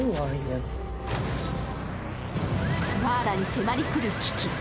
マーラに迫りくる危機！